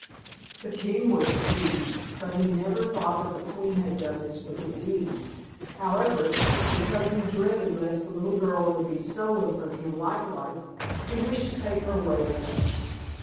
The king was grieved, but he never thought that the queen had done this wicked deed; however, because he dreaded lest the little girl would be stolen from him likewise, he wished to take her away with him.